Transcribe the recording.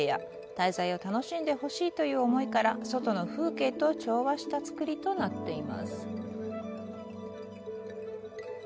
「滞在」を楽しんでほしいという思いから外の風景と調和した作りとなっています。